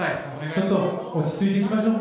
ちょっと落ち着いていきましょう。